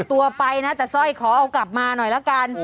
ตัวไปนะแต่สร้อยขอเอากลับมาหน่อยละกัน